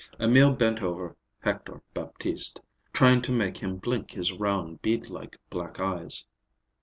Emil bent over Hector Baptiste, trying to make him blink his round, bead like black eyes.